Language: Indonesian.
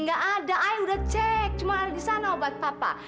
gak ada ayah udah cek cuma ada disana obat papa